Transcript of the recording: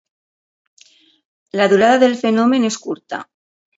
La durada del fenomen és curta.